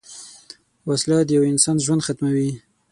وسله د یوه انسان ژوند ختموي